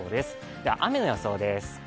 では雨の予想です。